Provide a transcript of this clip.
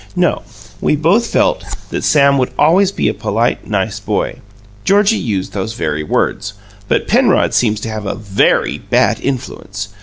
No; we both felt that Sam would always be a polite, nice boy Georgie used those very words but Penrod seems to have a VERY bad influence.